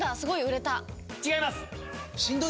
違います。